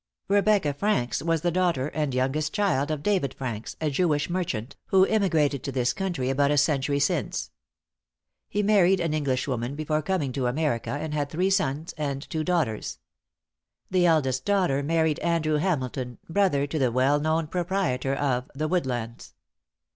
Rebecca Franks was the daughter and youngest child of David Franks, a Jewish merchant, who emigrated to this country about a century since. He married an Englishwoman before coming to America, and had three sons and two daughters. The eldest daughter married Andrew Hamilton, brother to the well known proprietor of "The Woodlands."